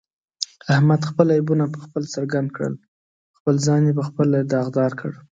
احمد خپل عیبونه په خپله څرګند کړل، خپل ځان یې په خپله داغدارکړ.